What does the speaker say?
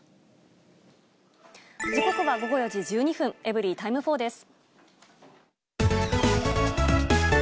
時刻は午後４時１２分、エブリィタイム４です。